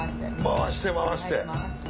回して回して。